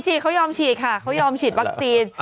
ฉีดเขายอมฉีดค่ะเขายอมฉีดวัคซีน